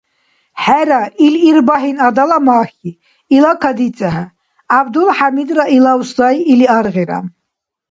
Хӏера, их Ирбагьин–адала махьи. Ила кадицӏехӏе, Гӏябдулхӏямидра илав сай или аргъира.